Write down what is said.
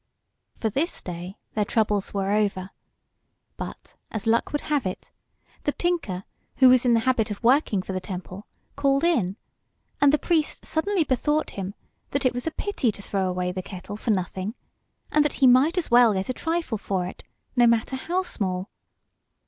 For this day their troubles were over; but, as luck would have it, the tinker who was in the habit of working for the temple called in, and the priest suddenly bethought him that it was a pity to throw the kettle away for nothing, and that he might as well get a trifle for it, no matter how small.